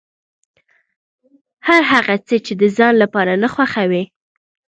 هر هغه څه چې د ځان لپاره نه خوښوې.